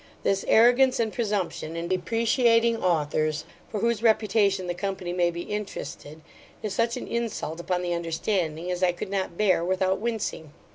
This arrogance and presumption, in depreciating authors, for whose reputation the company may be interested, is such an insult upon the understanding, as I could not bear without wincing.